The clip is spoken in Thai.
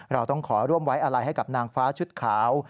เราต้องขอร่วมไว้อะไรให้กับนางฟ้าชุดขาว